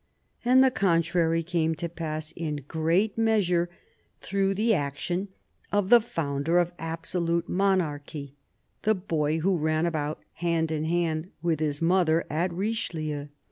And the contrary came to pass, in great measure, through the action of the founder of absolute monarchy, the boy who ran about hand in hand with his mother at Richelieu.